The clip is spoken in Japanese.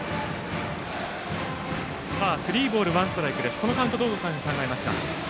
スリーボールワンストライクのこのカウントどうお考えになりますか？